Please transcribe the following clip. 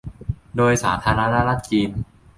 โดยสาธารณรัฐจีน